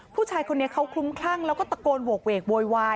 ผู้ชายคนนี้เขาคลุ้มคลั่งแล้วก็ตะโกนโหกเวกโวยวาย